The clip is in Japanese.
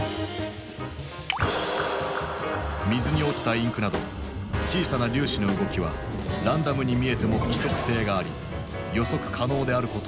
水に落ちたインクなど小さな粒子の動きはランダムに見えても規則性があり予測可能であることを証明した。